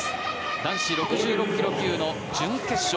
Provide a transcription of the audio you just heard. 男子６６ｋｇ級の準決勝。